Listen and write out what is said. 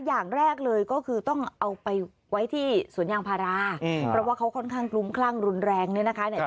อย่างแรกเลยก็คือต้องเอาไปไว้ที่สวนยางพาราเพราะว่าเขาค่อนข้างคลุ้มคลั่งรุนแรงเนี่ยนะคะ